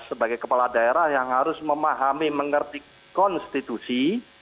sebagai kepala daerah yang harus memahami mengerti konstitusi